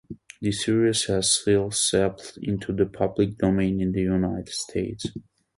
The series has since lapsed into the public domain in the United States.